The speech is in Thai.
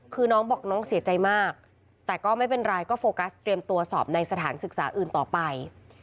คือน้องบอกน้องเสียใจมากแต่ก็ไม่เป็นไรก็โฟกัสเตรียมตัวสอบในสถานศึกษาอื่นต่อไป